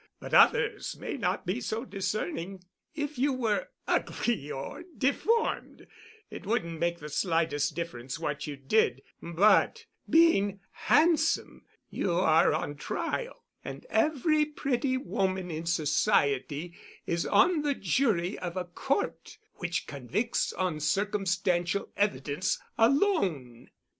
But others may not be so discerning. If you were ugly or deformed it wouldn't make the slightest difference what you did, but, being handsome, you are on trial; and every pretty woman in society is on the jury of a court which convicts on circumstantial evidence alone."